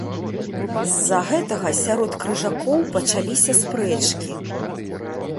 З-за гэтага сярод крыжакоў пачаліся спрэчкі.